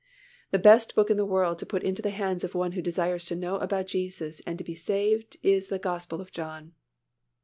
The best book in the world to put into the hands of one who desires to know about Jesus and to be saved is the Gospel of John.